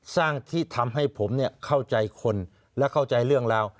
สร้างที่ทำให้ผมเข้าใจคนและเข้าใจเรื่องราว